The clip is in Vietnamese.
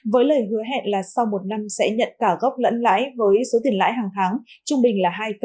với lời hứa hẹn là sau một năm sẽ nhận cả gốc lẫn lãi với số tiền lãi hàng tháng trung bình là hai bảy